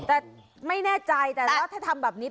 แต่ไม่แน่ใจแต่ว่าถ้าทำแบบนี้